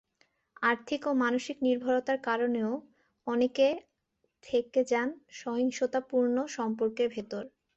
আর্থিক ও মানসিক নির্ভরতার কারণেও অনেকে থেকে যান সহিংসতাপূর্ণ সম্পর্কের ভেতর।